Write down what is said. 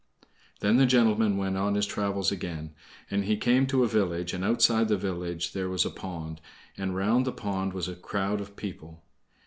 Then the gentleman went on his travels again; and he came to a village, and outside the village there was a pond, and round the pond was a crowd of people.